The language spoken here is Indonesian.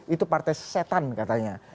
itu partai setan katanya